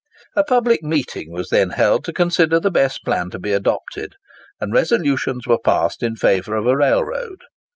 A public meeting was then held to consider the best plan to be adopted, and resolutions were passed in favour of a railroad.